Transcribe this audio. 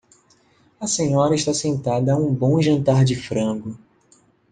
A senhora está sentada a um bom jantar de frango.